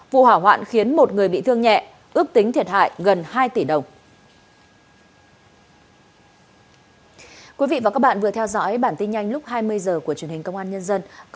vụ hỏa hoạn khiến một người bị thương nhẹ ước tính thiệt hại gần hai tỷ đồng